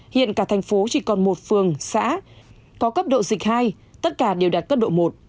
hiện cả thành phố chỉ còn một phường xã có cấp độ dịch hai tất cả đều đạt cấp độ một